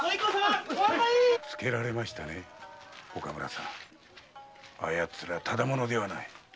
つけられましたね岡村さん。あやつらただ者ではない。